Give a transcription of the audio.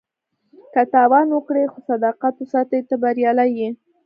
که تاوان وکړې خو صداقت وساتې، ته بریالی یې.